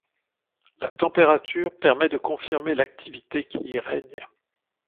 La température permet de confirmer l’activité qui y règne.